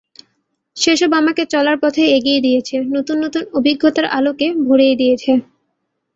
সেসব আমাকে চলার পথে এগিয়ে দিয়েছে, নতুন নতুন অভিজ্ঞতার আলোকে ভরিয়ে দিয়েছে।